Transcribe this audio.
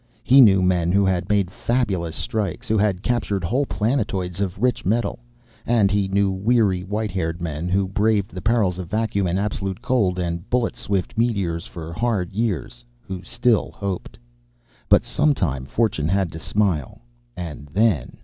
He knew men who had made fabulous strikes, who had captured whole planetoids of rich metal, and he knew weary, white haired men who had braved the perils of vacuum and absolute cold and bullet swift meteors for hard years, who still hoped. But sometime fortune had to smile, and then....